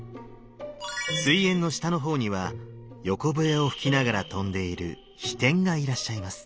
水煙の下の方には横笛を吹きながら飛んでいる飛天がいらっしゃいます。